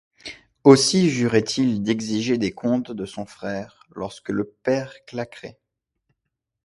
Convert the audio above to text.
Aussi jurait-il d’exiger des comptes de son frère, lorsque le père claquerait.